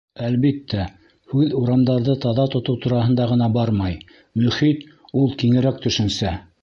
Әлбиттә, һүҙ урамдарҙы таҙа тотоу тураһында ғына бармай, мөхит — ул киңерәк төшөнсә.